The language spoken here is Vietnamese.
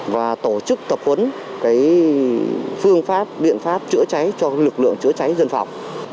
và tổ chức tập huấn phương pháp biện pháp chữa cháy cho lực lượng chữa cháy dân phòng